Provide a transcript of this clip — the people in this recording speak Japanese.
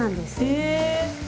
へえ！